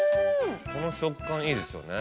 この食感いいですよね。